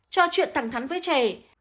ba trò chuyện thẳng thắn với trẻ